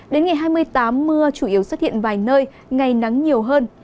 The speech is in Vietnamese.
đến ngày hai mươi tám mưa chủ yếu xuất hiện vài nơi ngày nắng nhiều hơn